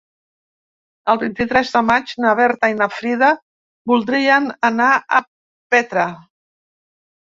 El vint-i-tres de maig na Berta i na Frida voldrien anar a Petra.